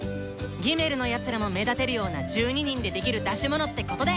「３」のやつらも目立てるような１２人でできる出し物ってことで！